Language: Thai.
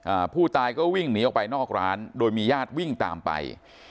อ่าผู้ตายก็วิ่งหนีออกไปนอกร้านโดยมีญาติวิ่งตามไป